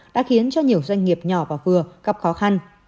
đã khiến cho nhiều doanh nghiệp nhỏ và vừa gặp khó khăn